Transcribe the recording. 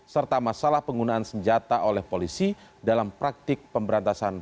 serta masalah penggunaan senjata oleh polisi dalam praktik pemberantasan